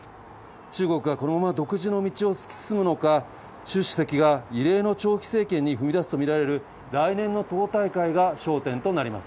中国がこのまま独自の道を突き進むのか、習主席が異例の長期政権に踏み出すと見られる来年の党大会が焦点となります。